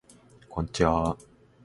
こんちはー